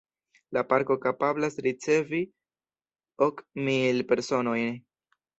La Parko kapablas ricevi ok mil personojn.